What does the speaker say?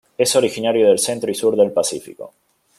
Es originario del centro y sur del Pacífico.